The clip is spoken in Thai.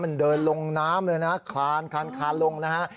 มันเดินลงน้ำเลยนะคลานลงนะฮะ